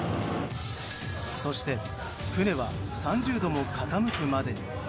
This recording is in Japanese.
そして、船は３０度も傾くまでに。